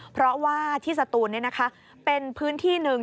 เพราะว่าที่สตูนเป็นพื้นที่หนึ่ง